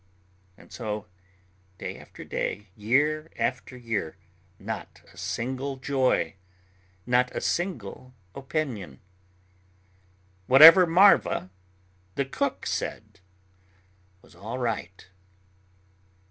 And so day after day, year after year not a single joy, not a single opinion. Whatever Marva, the cook, said was all right.